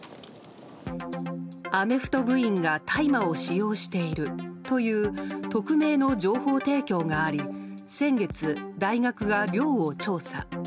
アメフト部員が大麻を使用しているという匿名の情報提供があり先月、大学が寮を調査。